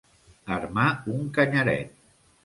Armar un canyaret.